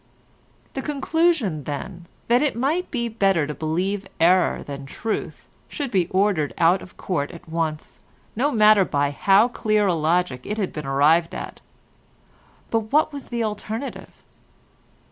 The conclusion, then, that it might be better to believe error than truth should be ordered out of court at once, no matter by how clear a logic it had been arrived at; but what was the alternative?